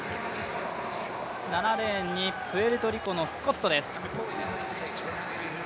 ７レーンにプエルトリコのスコットです。